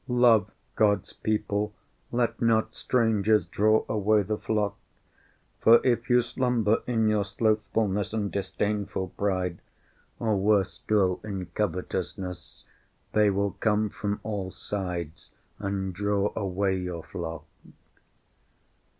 Love God's people, let not strangers draw away the flock, for if you slumber in your slothfulness and disdainful pride, or worse still, in covetousness, they will come from all sides and draw away your flock.